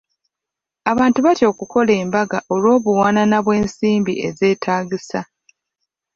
Abantu batya okukola embaga olw'obuwanana bw'ensimbi ezeetaagisa.